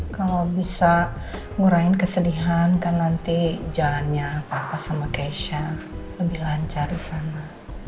kalau bisa ngurahin kesedihan kan nanti jalannya papa sama keisha lebih lancar di sana